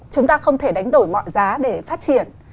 chúng ta không thể đánh đổi mọi giá để phát triển